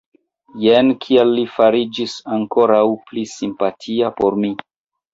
Jen kial li fariĝis ankoraŭ pli simpatia por mi.